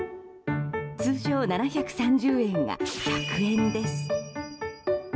通常７３０円が１００円です。